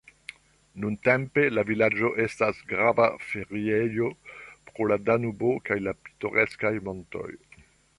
Nuntempe la vilaĝo estas grava feriejo pro la Danubo kaj la pitoreskaj montoj.